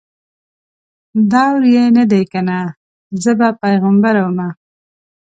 دور یې نه دی کنه زه به پیغمبره ومه